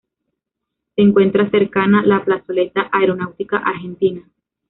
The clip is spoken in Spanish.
Se encuentra cercana la Plazoleta Aeronáutica Argentina.